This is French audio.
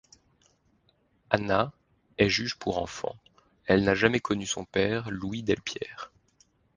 Ana est juge pour enfants, elle n'a jamais connu son père, Louis Delpierre.